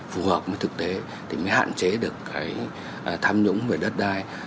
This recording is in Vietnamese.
phù hợp với thực tế thì mới hạn chế được cái tham nhũng về đất đai